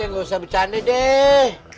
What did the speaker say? enggak usah bercanda deh